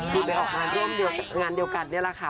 คือไปออกงานร่วมงานเดียวกันนี่แหละค่ะ